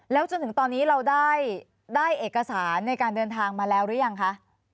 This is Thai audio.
แล้วจนถึงตอนนี้เราได้เอกสารในการเดินทางมาแล้วหรือยังคะ